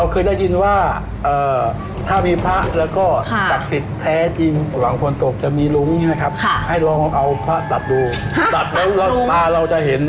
คืออาจจะปรากฏให้เราเห็น